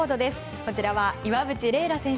こちら岩渕麗楽選手。